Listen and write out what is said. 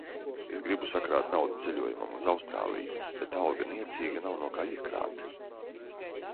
Es gribu sakrāt naudu ceļojumam uz Austrāliju, bet alga niecīga, nav no kā iekrāt.